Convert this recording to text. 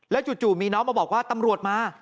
จู่มีน้องมาบอกว่าตำรวจมา